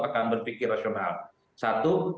akan berpikir rasional satu